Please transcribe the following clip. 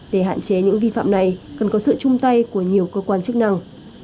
để hạn chế những vi phạm này cần có sự chung tay của nhiều cơ quan chức năng